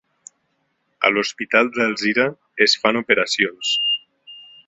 A l'Hospital d'Alzira es fan operacions